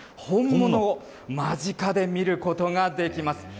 本物を間近で見ることができます。